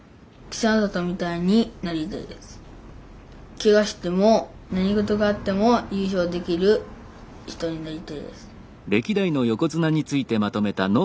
ケガしても何事があっても優勝できる人になりたいです。